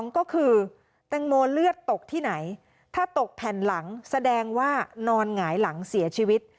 ก็คือแตงโมเลือดตกที่ไหนถ้าตกแผ่นหลังแสดงว่านอนหงายหลังเสียชีวิต